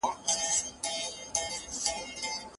ما غوښتل چي د تاریخ په اړه پوه سم.